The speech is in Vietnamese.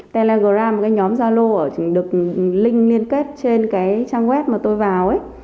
telegram cái nhóm zalo được link liên kết trên cái trang web mà tôi vào ấy